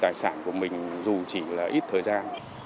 tài sản của mình dù chỉ là ít thời gian